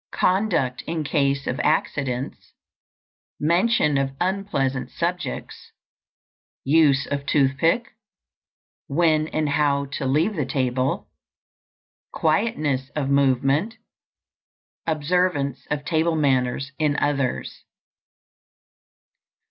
_ Conduct in case of accidents. Mention of unpleasant subjects. Use of toothpick. When and how to leave the table. Quietness of movement. _Observance of table manners in others.